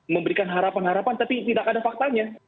memberikan harapan harapan tapi tidak ada faktanya